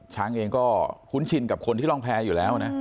ช้างเองก็คุ้นชินกับคนที่ร่องแพ้อยู่แล้วนะ